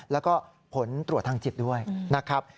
แล้วก็ผลตรวจทางจิตด้วยนะครับ